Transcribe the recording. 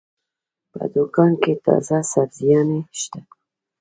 په دوکان کې تازه سبزيانې شته.